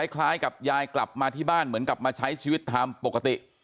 คล้ายกับยายกลับมาที่บ้านเหมือนกลับมาใช้ชีวิตตามปกติ